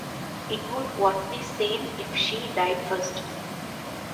It would work the same if she died first.